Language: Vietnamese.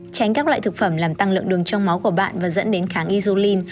tránh các loại thực phẩm làm tăng lượng đường trong máu của bạn và dẫn đến kháng isulin